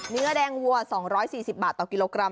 เนื้อแดงวัว๒๔๐บาทต่อกิโลกรัม